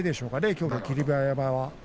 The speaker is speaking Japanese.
きょうの霧馬山は。